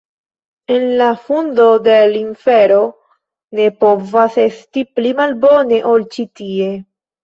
En la fundo de l' infero ne povas esti pli malbone, ol ĉi tie.